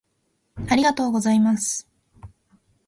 「ありがとうございます」